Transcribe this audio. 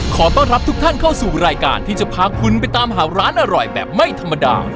ขอต้อนรับทุกท่านเข้าสู่รายการที่จะพาคุณไปตามหาร้านอร่อยแบบไม่ธรรมดา